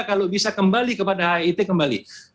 kalau bisa kembali kepada hit kembali